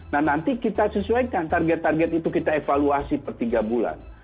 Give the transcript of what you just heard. nah nanti kita sesuaikan target target itu kita evaluasi per tiga bulan